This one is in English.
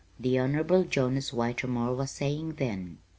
the Honorable Jonas Whitermore was saying then.